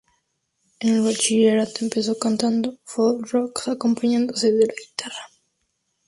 En el bachillerato, empezó cantando folk-rock, acompañándose de la guitarra.